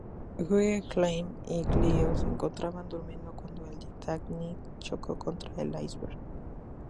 Guggenheim y Giglio se encontraban durmiendo cuando el Titanic chocó contra el iceberg.